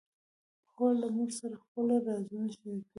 خور له مور سره خپل رازونه شریکوي.